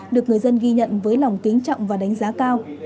được người dân ghi nhận với lòng kính trọng và đánh giá cao